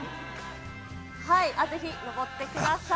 ぜひ上ってください。